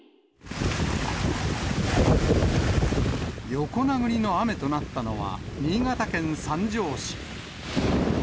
横殴りの雨となったのは新潟県三条市。